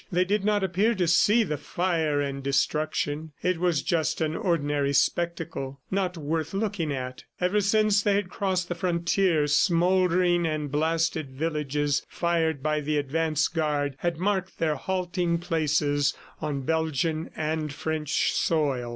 They did not appear to see the fire and destruction; it was just an ordinary spectacle, not worth looking at. Ever since they had crossed the frontier, smoldering and blasted villages, fired by the advance guard, had marked their halting places on Belgian and French soil.